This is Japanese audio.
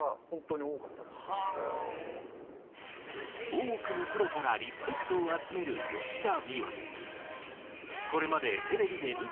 多くのプロからリスペクトを集める吉田美和。